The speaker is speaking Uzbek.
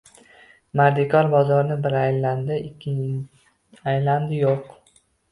Mardikor bozorni bir aylandi, ikki aylandi yo‘q